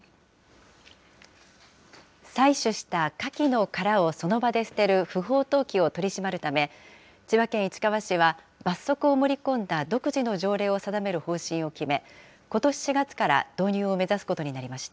採取したかきの殻をその場で捨てる不法投棄を取り締まるため、千葉県市川市は、罰則を盛り込んだ独自の条例を定める方針を決め、ことし４月から導入を目指すことになりました。